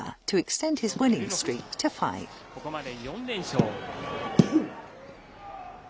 ここまで４連勝。